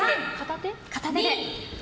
片手です。